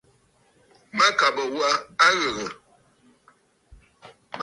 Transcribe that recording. Mâkàbə̀ wa a ghə̀gə̀.